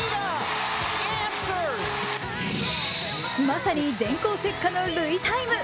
まさに電光石火の瑠唯タイム。